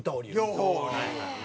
両方。